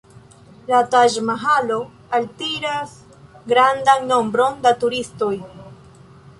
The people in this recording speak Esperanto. La Taĝ-Mahalo altiras grandan nombron da turistoj.